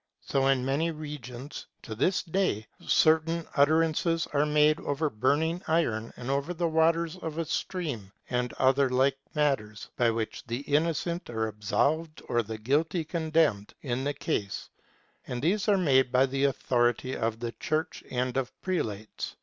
So in many regions, to this day, certain utterances are made over burning iron and over the waters of a stream, and other like matters, by which the innocent are absolved or the guilty condemned in the case ; and these are made by the authority of the Church and of prelates.